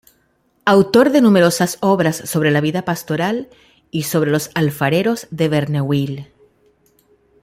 Autor de numerosas obras sobre la vida pastoral y sobre los alfareros de Verneuil.